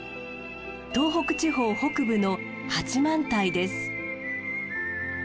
東北地方北部の八幡平です。